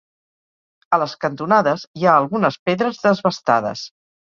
A les cantonades hi ha algunes pedres desbastades.